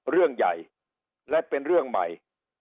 เรื่องใหญ่และเป็นเรื่องใหม่